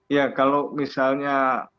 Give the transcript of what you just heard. ya kalau misalnya